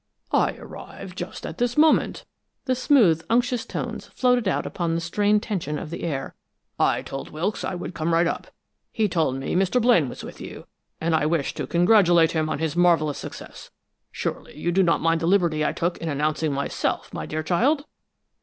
"I arrived just at this moment." The smooth, unctuous tones floated out upon the strained tension of the air. "I told Wilkes I would come right up. He told me Mr. Blaine was with you, and I wish to congratulate him on his marvelous success. Surely you do not mind the liberty I took in announcing myself, my dear child?"